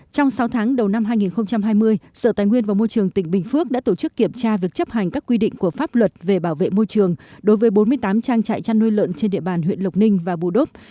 trong sáu tháng đầu năm hai nghìn hai mươi sở tài nguyên và môi trường tỉnh bình phước đã tổ chức kiểm tra việc chấp hành các quy định của pháp luật về bảo vệ môi trường đối với bốn mươi tám trang trại chăn nuôi lợn trên địa bàn huyện lộc ninh và bù đốc